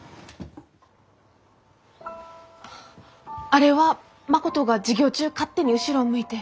あれは誠が授業中勝手に後ろを向いて。